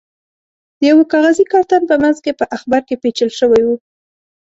د یوه کاغذي کارتن په منځ کې په اخبار کې پېچل شوی و.